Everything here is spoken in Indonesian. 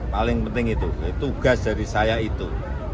paling penting itu tugas dari saya itu